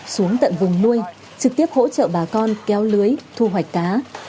xuống tận vùng nuôi trực tiếp hỗ trợ bà con kéo lưới thu hoạch cá